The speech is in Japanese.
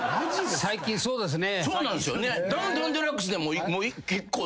最近そうですね。